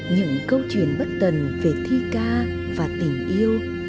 những câu chuyện bất tần về thi ca và tình yêu